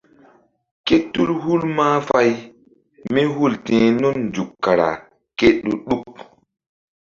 Ké tul hul mahfay mí hul ti̧h nun nzuk kara ke ɗu-ɗuk.